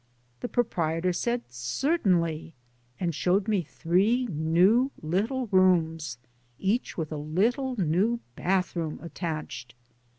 The proprietor said, Certainly," and showed me three new little rooms, each with a little new bathroom attached.